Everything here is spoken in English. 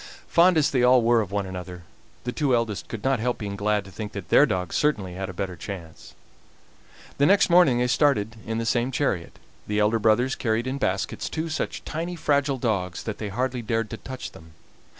Fond as they all were of one another, the two eldest could not help being glad to think that their dogs certainly had a better chance. The next morning they started in the same chariot. The elder brothers carried in baskets two such tiny, fragile dogs that they hardly dared to touch them.